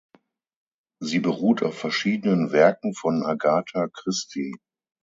Sie beruht auf verschiedenen Werken von Agatha Christie.